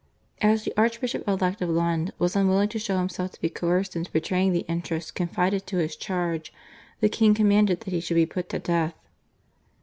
As the Archbishop elect of Lund was unwilling to show himself to be coerced into betraying the interests confided to his charge, the king commanded that he should be put to death.